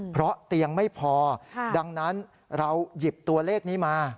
เพราะเตียงไม่พอดังนั้นเราหยิบตัวเลขนี้มา